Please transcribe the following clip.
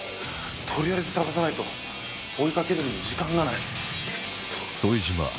取りあえず探さないと追い掛けるのに時間がない。